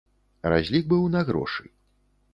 Разлік быў на грошы.